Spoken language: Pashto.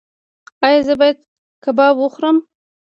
ایا زه باید کباب وخورم؟